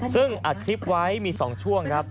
ซึ่งอัดคลิปไว้มี๒ช่วงครับ